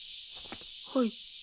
はい。